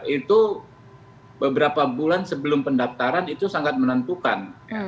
itu beberapa bulan sebelum pendaftaran itu sangat menentukan